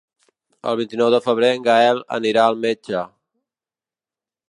El vint-i-nou de febrer en Gaël anirà al metge.